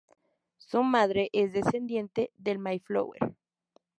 Su madre es descendiente del "Mayflower".